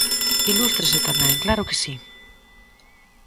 Ilústrese tamén, ¡claro que si!